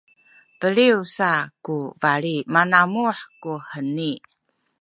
beliw sa ku bali manamuh kuheni